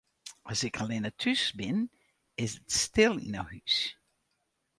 As ik allinnich thús bin, is it stil yn 'e hús.